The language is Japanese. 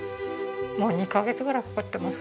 もう２カ月ぐらいかかってますかね。